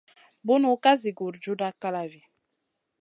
Bunu ka zi gurjuda kalavi.